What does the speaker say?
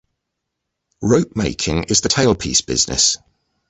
Rope making is the tailpiece business.